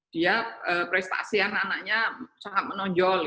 dia prestasi anak anaknya sangat menonjol